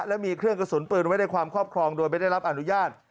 และมีเครื่องกระสุนปืนไว้ในความครอบครองโดยไม่ได้รับอนุญาต